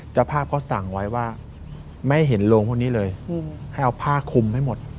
เจ้าภาพเขาสั่งไว้ว่าไม่เห็นโรงพวกนี้เลยให้เอาผ้าคุมให้หมด